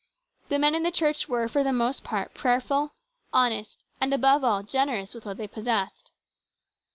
The men in the church were for the most part prayerful, honest, and, above all, generous with what they possessed.